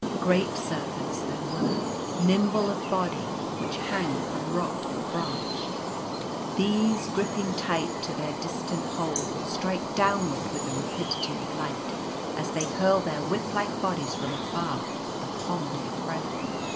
Great serpents there were, nimble of body, which hang from rock or branch. These griping tight to their distant hold, strike downward with the rapidity of light as they hurl their whip like bodies from afar upon their prey.